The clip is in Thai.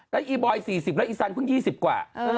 แล้วอีบอย๔๐แล้วอีซันเพิ่ง๒๐กว่า